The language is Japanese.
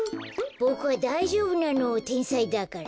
ボクはだいじょうぶなのてんさいだから。